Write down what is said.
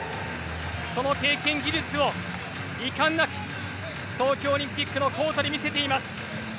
その経験、技術をいかんなく東京オリンピックのコートで見せています。